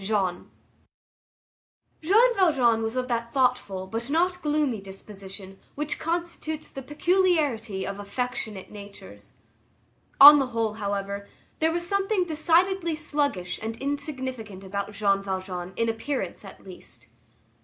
Jean Valjean was of that thoughtful but not gloomy disposition which constitutes the peculiarity of affectionate natures. On the whole, however, there was something decidedly sluggish and insignificant about Jean Valjean in appearance, at least.